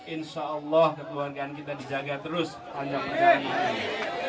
insya allah kekeluargaan kita dijaga terus panjang perjalanan ini